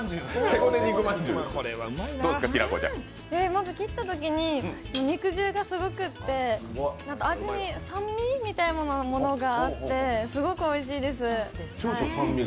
まず切ったときに肉汁がすごくって、味に酸味みたいなものがあってすごくおいしいです。